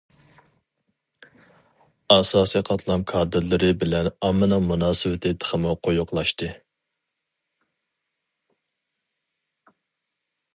ئاساسىي قاتلام كادىرلىرى بىلەن ئاممىنىڭ مۇناسىۋىتى تېخىمۇ قويۇقلاشتى.